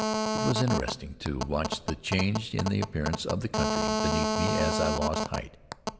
It was interesting to watch the change in the appearance of the country beneath me as I lost height.